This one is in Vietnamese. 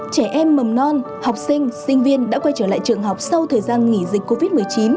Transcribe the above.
trẻ em mầm non học sinh sinh viên đã quay trở lại trường học sau thời gian nghỉ dịch covid một mươi chín